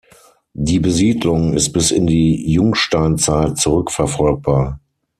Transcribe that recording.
Die Besiedlung ist bis in die Jungsteinzeit zurück verfolgbar.